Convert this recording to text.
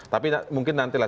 tapi mungkin nanti lah